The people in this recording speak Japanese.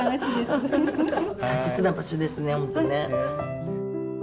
大切な場所ですね本当ね。